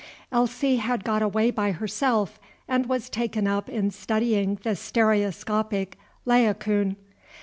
Elsie had got away by herself, and was taken up in studying the stereoscopic Laocoon.